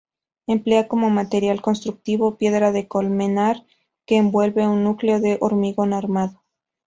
Emplea como material constructivo piedra de colmenar que envuelve un núcleo de hormigón armado.